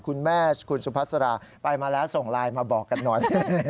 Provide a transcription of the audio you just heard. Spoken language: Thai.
คุณแม่คุณสุภาษาไปมาแล้วส่งไลน์มาบอกกันหน่อย